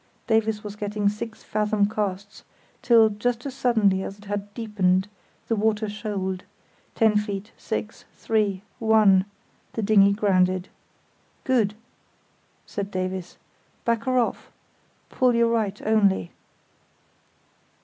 Davies was getting six fathom casts, till, just as suddenly as it had deepened, the water shoaled—ten feet, six, three, one—the dinghy grounded. "Good!" said Davies. "Back her off! Pull your right only."